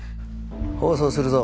放送するぞ。